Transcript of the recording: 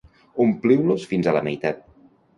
Ompliu-los fins a la meitat.